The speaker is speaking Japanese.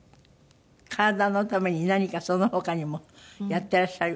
体のために何かその他にもやってらっしゃる事あります？